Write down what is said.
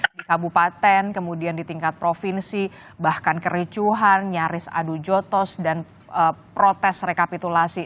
di kabupaten kemudian di tingkat provinsi bahkan kericuhan nyaris adu jotos dan protes rekapitulasi